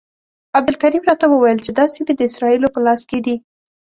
عبدالکریم راته وویل چې دا سیمې د اسرائیلو په لاس کې دي.